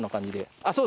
あっそう！